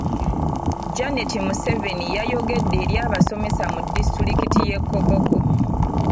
Janet Museveni yayogedde eri abasomesa mu disitulikiti y'e Koboko.